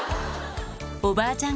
おばあちゃん